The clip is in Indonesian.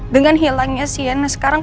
dengan hilangnya sienna sekarang